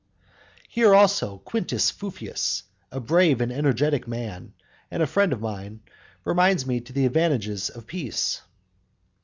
IV. Here also Quintus Fufius, a brave and energetic man, and a friend of mine, reminds me of the advantages of peace.